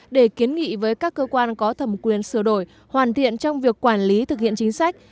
để kiến nghị với các cơ quan có thẩm quyền sửa đổi hoàn thiện trong việc quản lý thực hiện chính sách